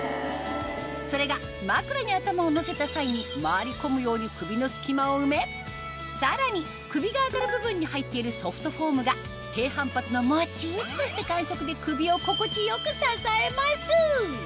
それが枕に頭をのせた際に回り込むように首の隙間を埋めさらに首が当たる部分に入っているソフトフォームが低反発のモチっとした感触で首を心地よく支えます！